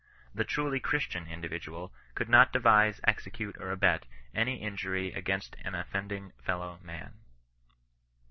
T)ie truly Christian individual could not devise, execute, or abet any injury against an offending fellow man.